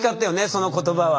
その言葉は。